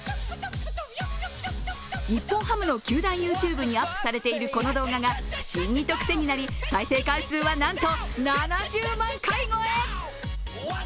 日本ハムの球団ＹｏｕＴｕｂｅにアップされているこの動画が不思議と癖になり、再生回数はなんと７０万回超え。